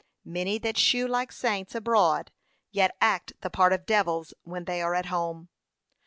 p. 532. 'Many that shew like saints abroad, yet act the part of devils when they are at home.